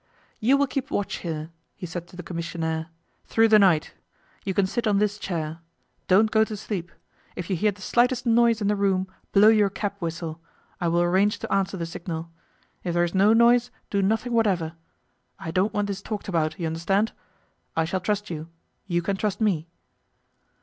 'You will keep watch here,' he said to the commissionaire, 'through the night. You can sit on this chair. Don't go to sleep. If you hear the slightest noise in the room blow your cab whistle; I will arrange to answer the signal. If there is no noise do nothing whatever. I don't want this talked about, you understand. I shall trust you; you can trust me.